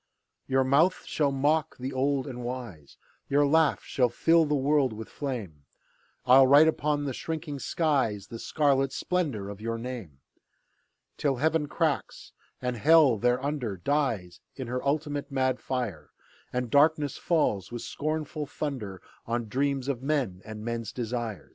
Your mouth shall mock the old and wise, Your laugh shall fill the world with flame, I'll write upon the shrinking skies The scarlet splendour of your name, Till Heaven cracks, and Hell thereunder Dies in her ultimate mad fire, And darkness falls, with scornful thunder, On dreams of men and men's desire.